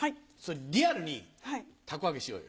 リアルに凧揚げしようよ。